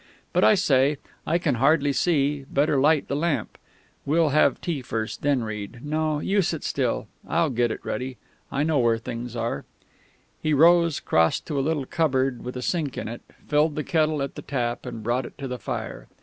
But I say; I can hardly see. Better light the lamp. We'll have tea first, then read. No, you sit still; I'll get it ready; I know where things are " He rose, crossed to a little cupboard with a sink in it, filled the kettle at the tap, and brought it to the fire.